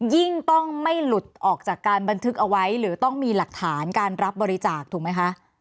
ยิ่งต้องไม่หลุดออกจากการบันทึกเอาไว้หรือต้องมีหลักฐานการรับบริจาคถูกไหมคะ